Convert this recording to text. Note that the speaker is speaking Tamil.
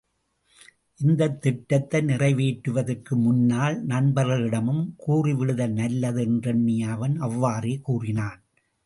இந்தத் திட்டத்தை நிறைவேற்றுவதற்கு முன்னால், நண்பர்களிடமும் கூறிவிடுதல் நல்லது என்றெண்ணிய அவன் அவ்வாறே கூறினான்.